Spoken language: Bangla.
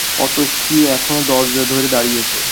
অতসী এখনো দরজা ধরে দাঁড়িয়ে।